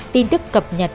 tin tức cập nhật